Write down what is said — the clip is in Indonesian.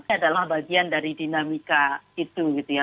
ini adalah bagian dari dinamika itu gitu ya